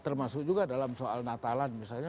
termasuk juga dalam soal natalan misalnya